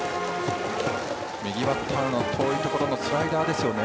右バッターの遠いところのスライダーですかね。